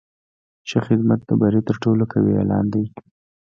ښه خدمت د بری تر ټولو قوي اعلان دی.